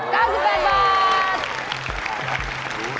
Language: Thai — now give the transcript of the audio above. แพงกว่าแพงกว่าแพงกว่า